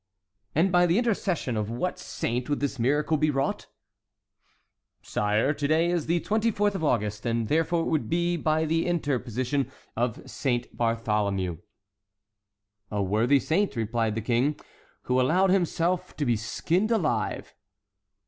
"And by the intercession of what saint would this miracle be wrought?" "Sire, to day is the 24th of August, and therefore it would be by the interposition of Saint Bartholomew." "A worthy saint," replied the King, "who allowed himself to be skinned alive!"